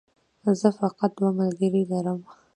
زه فقط دوه ملګري لرم